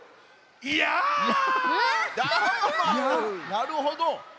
なるほど。